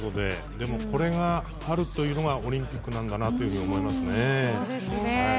でも、これがあるというのがオリンピックなんだなと思いますね。